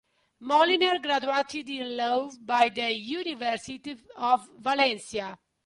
Moliner graduated in Law by the University of Valencia.